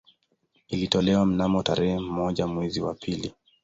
Ilitolewa mnamo tarehe moja mwezi wa pili